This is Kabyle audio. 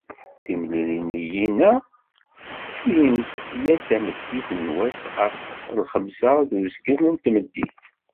Timliliyin-a, ttilint-d yal tameddit n wass ɣef lxemsa d uzgen n tmeddit.